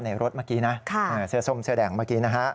ในรถเมื่อกี้เซอสมเซอแดภาค๘